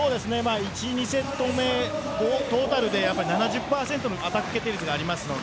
１、２セット目、トータルで７０％のアタック決定率があります。